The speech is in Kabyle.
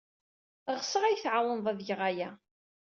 Ɣseɣ ad iyi-tɛawned ad geɣ aya.